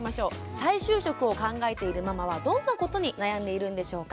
再就職を考えているママはどんなことに悩んでいるんでしょうか。